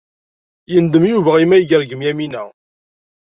Yendem Yuba imi ay yergem Yamina.